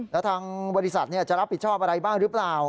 แล้วทางบริษัทจะรับผิดชอบอะไรบ้างหรือเปล่า